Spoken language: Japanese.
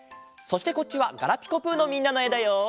そしてこっちはガラピコぷのみんなのえだよ！